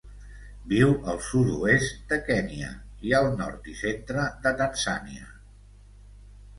Viu al sud-oest de Kenya i el nord i centre de Tanzània.